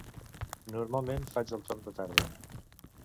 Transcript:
Normalment, faig el torn de tarda.